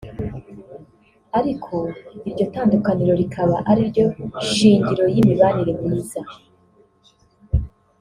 ariko iryo tandukaniro rikaba ari ryo shingiro ry’imibanire myiza”